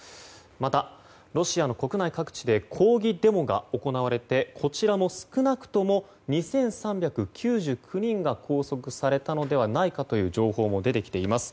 また、ロシアの国内各地で抗議デモが行われてこちらも少なくとも２３９９人が拘束されたのではないかという情報も出てきています。